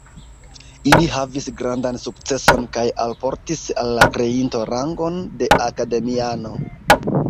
Ili havis grandan sukceson kaj alportis al la kreinto rangon de akademiano.